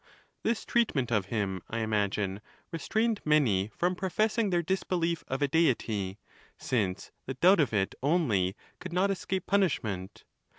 This treatment of him, I imagine, restrain ed many from professing their disbelief of a Deity, since' the doubt of it only could not escape punishment.